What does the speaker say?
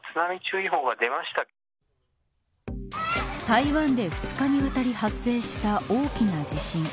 台湾で２日にわたり発生した大きな地震。